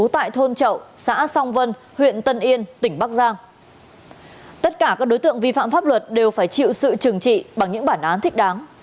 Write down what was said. tất cả các đối tượng vi phạm pháp luật đều phải chịu sự trừng trị bằng những bản án thích đáng